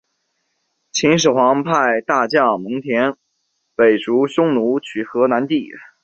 秦始皇派大将蒙恬北逐匈奴取河南地。